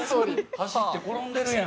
走って転んでるやん。